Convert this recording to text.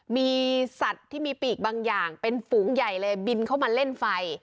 มีสัตว์ที่มีปีกบางอย่างเป็นฝูงใหญ่เลยบินเข้ามาเล่นไฟ